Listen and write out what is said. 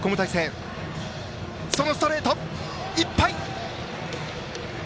ストレート、いっぱい！